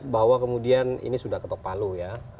bahwa kemudian ini sudah ketopalu ya